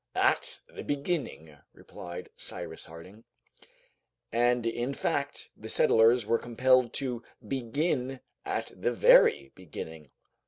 "At the beginning," replied Cyrus Harding. And in fact, the settlers were compelled to begin "at the very beginning."